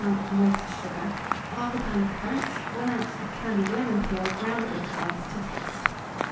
of moist sugar, 1/2 lb. of currants, 1 oz. of candied lemon peel, ground allspice to taste.